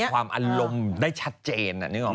แสดงความอารมณ์ได้ชัดเจน